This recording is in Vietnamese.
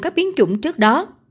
các biến chủng trước đó